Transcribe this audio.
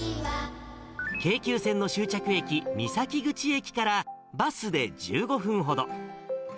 京急線の終着駅、三崎口駅からバスで１５分ほど。